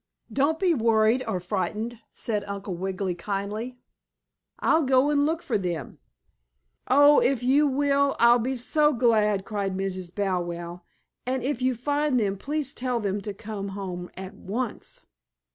"Don't be worried or frightened," said Uncle Wiggily, kindly. "I'll go look for them for you." "Oh, if you will I'll be so glad!" cried Mrs. Bow Wow. "And if you find them please tell them to come home at once."